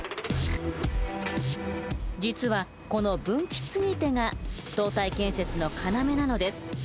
実はこの分岐継ぎ手が塔体建設の要なのです。